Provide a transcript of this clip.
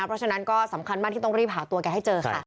เพราะฉะนั้นก็สำคัญมากที่ต้องรีบหาตัวแกให้เจอค่ะ